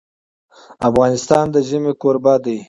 افغانستان د ژمی کوربه دی.